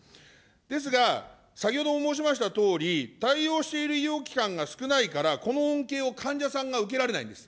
ですが、先ほども申しましたとおり、対応している医療機関が少ないから、この恩恵を患者さんが受けられないんです。